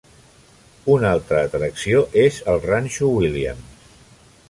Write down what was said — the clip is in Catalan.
Una altra atracció és el ranxo Williams.